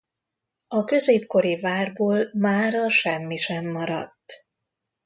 A középkori várból mára semmi sem maradt.